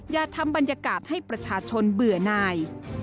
อย่าทำบรรยากาศให้ประชาชนเบื่อนาย